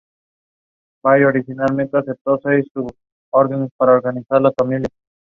In total there are approximately forty homes.